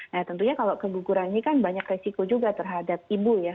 nah tentunya kalau keguguran ini kan banyak resiko juga terhadap ibu ya